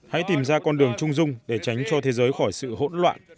hãy tìm ra con đường trung dung để tránh cho thế giới khỏi sự hỗn loạn